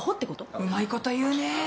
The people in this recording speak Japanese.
うまいこと言うねえ。